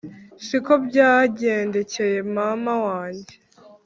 siko byagendekeye mama wanjye